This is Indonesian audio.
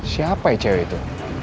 siapa cewek itu